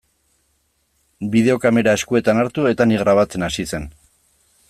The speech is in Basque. Bideokamera eskuetan hartu eta ni grabatzen hasi zen.